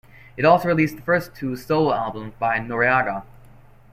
It also released the first two solo albums by Noreaga.